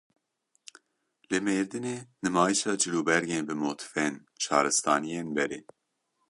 Li Mêrdinê nimayişa cilûbergên bi motifên şaristaniyên berê.